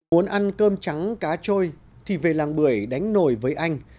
muốn ăn cơm trắng cá trôi thì về làng bưởi đánh nồi với anh